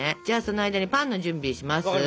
じゃあその間にパンの準備します。